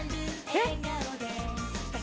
えっ？